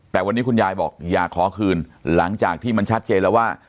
แต่วันนี้คุณยายบอกอยากขอคืนหลังจากที่มันชัดเจนแล้วว่า